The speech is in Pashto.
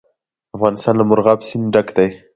افغانستان له مورغاب سیند ډک دی.